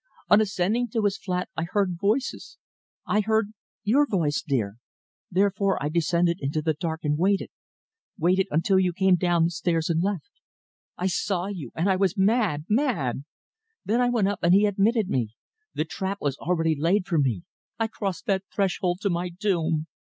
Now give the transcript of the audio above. On ascending to his flat I heard voices I heard your voice, dear therefore I descended into the dark and waited waited until you came down the stairs and left. I saw you, and I was mad mad! Then I went up, and he admitted me. The trap was already laid for me. I crossed that threshold to my doom!"